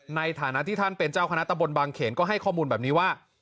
ในฐานะที่ท่านเป็นเจ้าคณะตะบนบางเขนก็ให้ข้อมูลแบบนี้ว่า